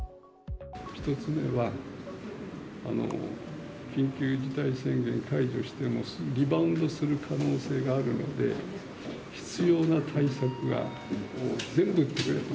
１つ目は、緊急事態宣言解除しても、すぐリバウンドする可能性があるので、必要な対策を全部取る。